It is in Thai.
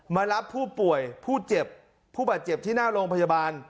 มารับผู้ป่วยผู้เจ็บผู้บาดเจ็บที่หน้าโรงพยาบาล